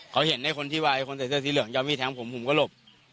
เขาเห็นไอ้คนที่ว่าไอ้คนใส่เสื้อสีเหลืองยอมมีดแทงผมผมก็หลบ